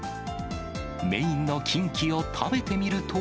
メインのキンキを食べてみると。